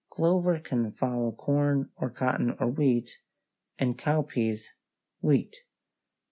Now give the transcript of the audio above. Clover can follow corn or cotton or wheat; and cowpeas, wheat.